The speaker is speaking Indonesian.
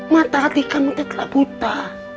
mata hati kamu itu telah buta